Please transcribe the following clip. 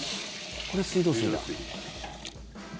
これ、水道水だ。